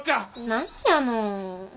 何やの。